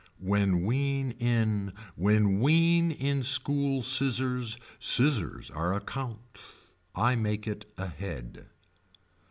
When wean in. When wean in school scissors. Scissors are a count. I make it ahead.